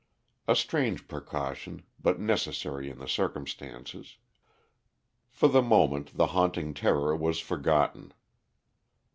A strange precaution, but necessary in the circumstances. For the moment the haunting terror was forgotten.